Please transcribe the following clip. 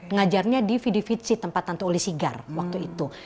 ngajarnya di vidi vici tempat tante uli sigar waktu itu